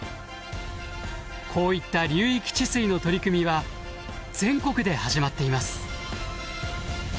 こういった流域治水の取り組みは全国で始まっています。